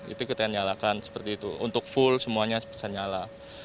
itu kita yang nyalakan seperti itu untuk full semuanya bisa nyala